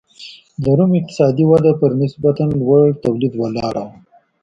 د روم اقتصادي وده پر نسبتا لوړ تولید ولاړه وه.